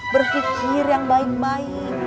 berpikir yang baik baik